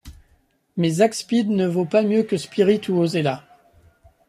Mais Zakspeed ne vaut pas mieux que Spirit ou Osella.